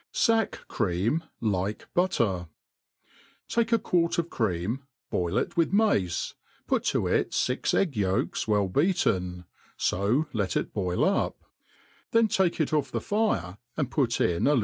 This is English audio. Saci Cream like ButUr. _• TAKE a quart of cream^ boil it with mace, put to it fi% egg* yolks well beaten, fo let it boil up ; then take it off the fire, and put in a.